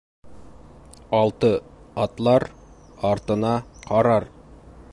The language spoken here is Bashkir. Алты атлар, артына ҡарар.